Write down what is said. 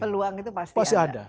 peluang itu pasti ada